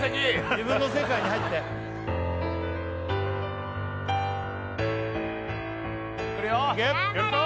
自分の世界に入ってくるよ頑張れ！